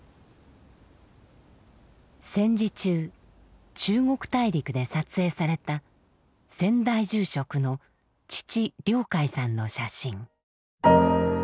戦時中中国大陸で撮影された先代住職の父亮誡さんの写真。